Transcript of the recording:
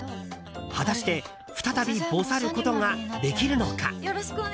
果たして再び、ぼさることができるのか？